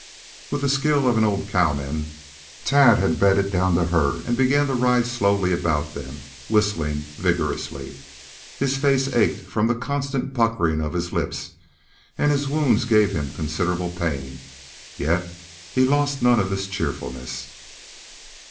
With the skill of an old cowman Tad had bedded down the herd and began to ride slowly about them, whistling vigorously. His face ached from the constant puckering of his lips, and his wounds gave him considerable pain. Yet he lost none of his cheerfulness.